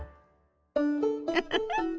ウフフ。